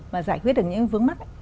và giải quyết được những vướng mắt